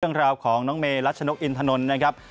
เรื่องราวของน้องเมรัชนกอินทนนท์นะครับ